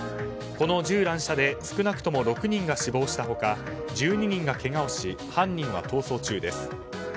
この銃乱射で少なくとも６人が死亡した他１２人がけがをし犯人は逃走中です。